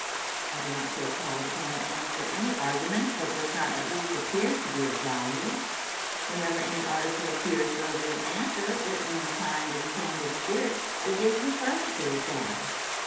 I do not feel called upon to answer any argument that does not at least appear to be of value. Whenever any article appears worthy of an answer, written in a kind and candid spirit, it gives me pleasure to reply.